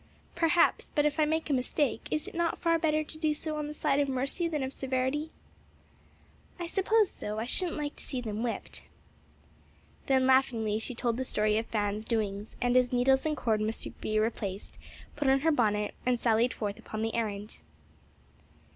"Perhaps; but if I make a mistake, is it not far better to do so on the side of mercy than of severity?" "I suppose so; I shouldn't like to see them whipped." Then laughingly she told the story of Fan's doings, and as needles and cord must be replaced, put on her bonnet and sallied forth upon the errand.